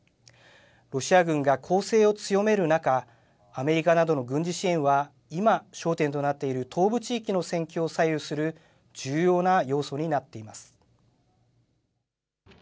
ロシア軍が攻勢を強める中、アメリカなどの軍事支援は今、焦点となっている東部地域の戦況を左右する重要な要素になっています。